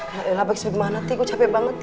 ya elah baik sebagaimana ti gue capek banget ti